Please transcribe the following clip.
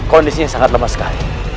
kondisi sangat lemah sekali